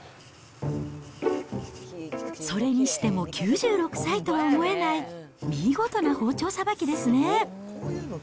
それにしても９６歳とは思えない、見事な包丁さばきですね。